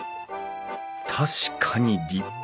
確かに立派。